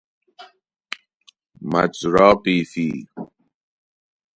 مجرا قیفی